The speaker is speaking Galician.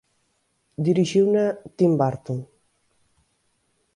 Dirixiuna Tim Burton.